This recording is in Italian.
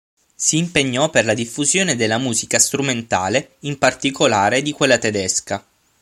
Si impegnò per la diffusione della musica strumentale, in particolare di quella tedesca.